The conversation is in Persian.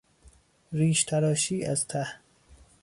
ریشتراشی از ته